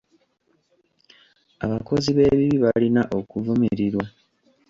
Abakozi b'ebibi balina okuvumirirwa.